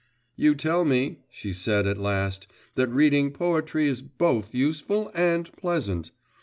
'You tell me,' she said at last, 'that reading poetry is both useful and pleasant.